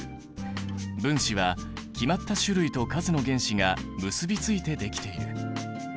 分子は決まった種類と数の原子が結びついてできている。